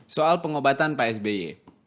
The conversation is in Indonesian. soal pengobatan psby